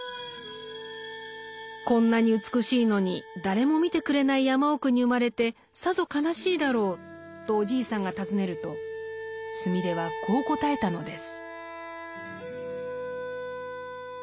「こんなに美しいのに誰も見てくれない山奥に生まれてさぞ悲しいだろう」とおじいさんが訪ねるとスミレはこう答えたのです。